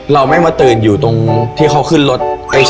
เราแม่งมันเตือนอยู่ตรงที่เค้าขึ้นรถ